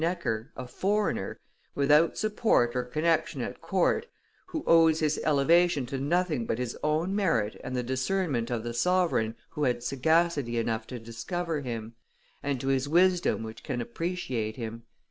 Necker, a foreigner, without support or connection at court, who owes his elevation to nothing but his own merit and the discernment of the sovereign who had sagacity enough to discover him, and to his wisdom which can appreciate him.